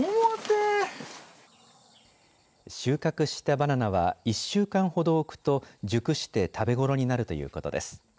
収穫したバナナは１週間ほど置くと熟して食べ頃になるということです。